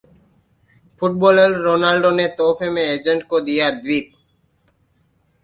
footballer Ronaldo ने तोहफे में एजेंट को दिया द्वीप